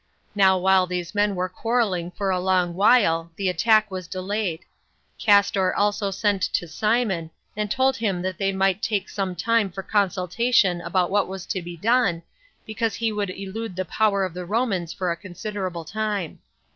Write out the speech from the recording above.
Now while these men were quarrelling for a long while, the attack was delayed; Castor also sent to Simon, and told him that they might take some time for consultation about what was to be done, because he would elude the power of the Romans for a considerable time.